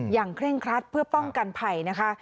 เคร่งครัดเพื่อป้องกันภัยนะคะ